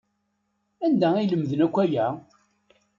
Anda ay lemden akk aya?